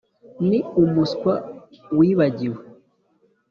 ni umuswa wibagiwe.